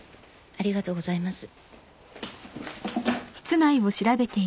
ありがとうございます。